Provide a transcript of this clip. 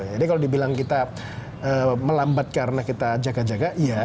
jadi kalau dibilang kita melambat karena kita jaga jaga iya